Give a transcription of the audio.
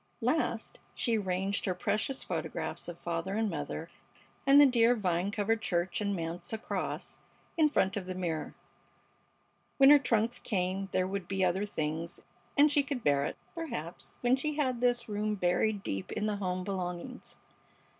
Last she ranged her precious photographs of father and mother and the dear vine covered church and manse across in front of the mirror. When her trunks came there would be other things, and she could bear it, perhaps, when she had this room buried deep in the home belongings.